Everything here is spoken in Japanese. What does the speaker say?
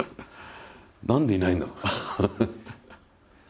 何でいないんだろう？